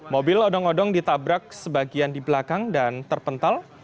mobil odong odong ditabrak sebagian di belakang dan terpental